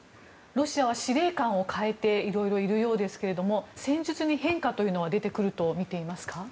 ロシアはいろいろ司令官を代えているようですが戦術に変化というのは出てくるとみていますか。